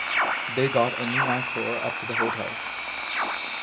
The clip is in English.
They got a new knife-thrower up to the hotel.